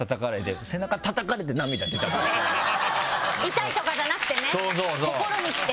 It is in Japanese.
痛いとかじゃなくてね心にきて。